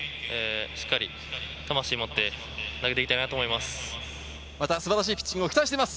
しっかり魂を持って投げていきたいと思います。